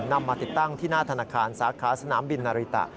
มาติดตั้งที่หน้าธนาคารสาขาสนามบินนาริตะ